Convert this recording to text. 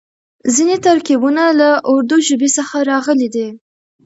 ځينې ترکيبونه له اردو ژبې څخه راغلي دي.